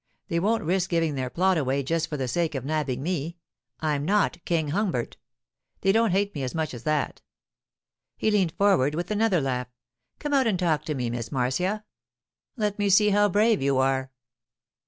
They won't risk giving their plot away just for the sake of nabbing me; I'm not King Humbert. They don't hate me as much as that.' He leaned forward with another laugh. 'Come out and talk to me, Miss Marcia. Let me see how brave you are.